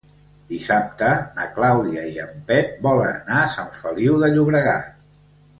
Dissabte na Clàudia i en Pep volen anar a Sant Feliu de Llobregat.